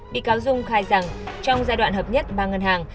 bị cáo dung khai rằng trong giai đoạn hợp nhất ba ngân hàng